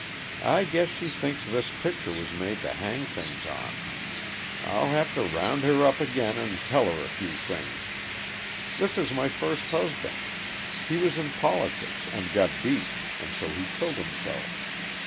"I guess she thinks this picture was made to hang things on. I'll have to round her up again and tell her a few things. This is my first husband. He was in politics and got beat, and so he killed himself.